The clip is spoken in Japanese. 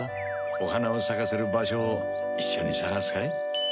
おはなをさかせるばしょをいっしょにさがすかい？